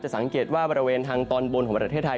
สังเกตว่าบริเวณทางตอนบนของประเทศไทย